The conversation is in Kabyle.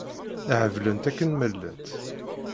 Heblent akken ma llant.